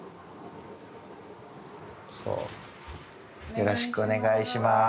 よろしくお願いします。